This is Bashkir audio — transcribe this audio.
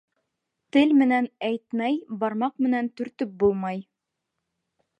Тел менән әйтмәй бармак менән төртөп булмай.